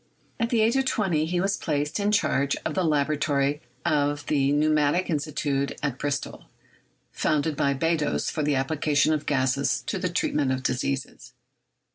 At the age of twenty he was placed in charge of the laboratory of the Pneumatic Institute at Bristol, founded by Beddoes for the application of gases to the treatment of diseases.